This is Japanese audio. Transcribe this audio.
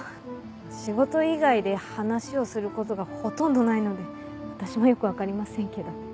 仕事以外で話をすることがほとんどないので私もよく分かりませんけど。